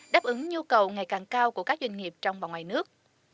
đáp ứng nhu cầu ngày càng cao của các doanh nghiệp trong và ngoài nước